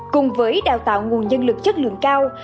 cùng với đào tạo nguồn nhân lực chất lượng cao